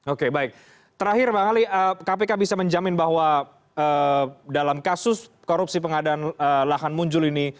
oke baik terakhir bang ali kpk bisa menjamin bahwa dalam kasus korupsi pengadaan lahan muncul ini